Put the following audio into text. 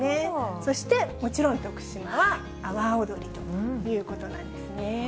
そしてもちろん徳島は阿波踊りということなんですね。